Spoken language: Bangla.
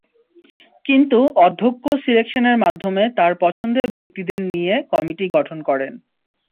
কিন্তু অধ্যক্ষ সিলেকশনের মাধ্যমে তাঁর পছন্দের ব্যক্তিদের নিয়ে কমিটি গঠন করেন।